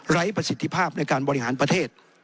ประสิทธิภาพในการบริหารประเทศ